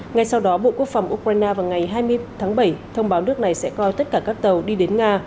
ngay sau đó bộ quốc phòng ukraine vào ngày hai mươi tháng bảy thông báo nước này sẽ coi tất cả các tàu đi đến nga